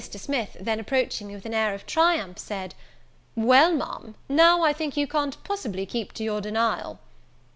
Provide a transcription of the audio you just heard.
Smith then, approaching me with an air of triumph, said, "Well, Ma'am, now I think you can't possibly keep to your denial."